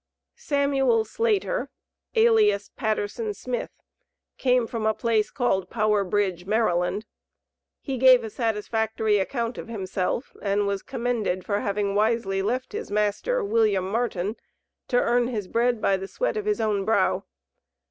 SAMUEL SLATER, alias PATTERSON SMITH, came from a place called Power Bridge, Md. He gave a satisfactory account of himself, and was commended for having wisely left his master, William Martin, to earn his bread by the sweat of his own brow.